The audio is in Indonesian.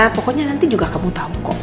pokoknya nanti juga kamu tamu kok